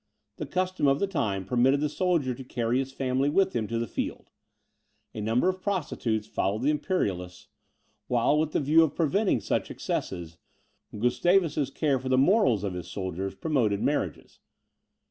The custom of the time permitted the soldier to carry his family with him to the field. A number of prostitutes followed the Imperialists; while, with the view of preventing such excesses, Gustavus's care for the morals of his soldiers promoted marriages.